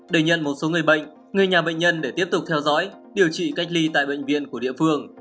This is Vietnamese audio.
để nhận một số người bệnh người nhà bệnh nhân để tiếp tục theo dõi điều trị cách ly tại bệnh viện của địa phương